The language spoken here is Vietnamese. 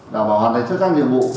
và hoàn thành sức khắc nhiệm vụ